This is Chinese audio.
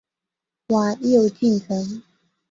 晚又进城。